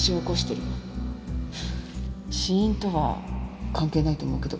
死因とは関係ないと思うけど。